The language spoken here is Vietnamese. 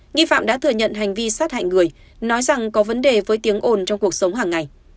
nghi phạm đã thừa nhận hành vi sát hại người nói rằng có vấn đề với tiếng ồn trong cuộc sống hàng ngày